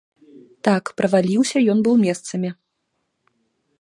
Так, праваліўся ён быў месцамі.